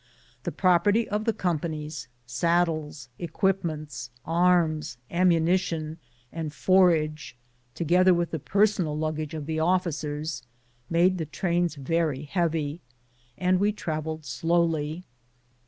The property of the companies — saddles, equipments, arms, ammunition, and forage — together with the personal luggage of the officers, made the trains very heavy, and we travelled slowly.